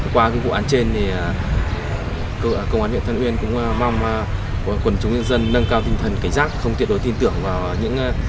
qua vụ án trên cơ quan huyện than uyên cũng mong quân chúng dân nâng cao tinh thần cấy rác không tiệt đối tin tưởng vào những người